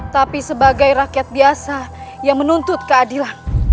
tapi sebagai rakyat biasa yang menuntut keadilan